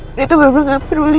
dan itu bener bener gak peduli